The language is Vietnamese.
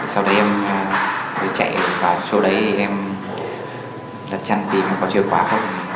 sau đấy em chạy vào chỗ đấy em đặt chăn tìm có chìa khóa không